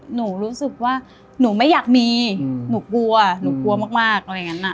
หนูรู้สึกว่าหนูไม่อยากมีหนูกลัวหนูกลัวมากอะไรอย่างนั้น